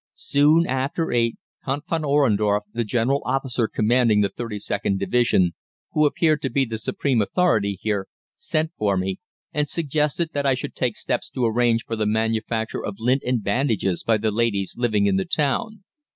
"Soon after eight, Count von Ohrendorff, the general officer commanding the 32nd Division, who appeared to be the supreme authority here, sent for me, and suggested that I should take steps to arrange for the manufacture of lint and bandages by the ladies living in the town.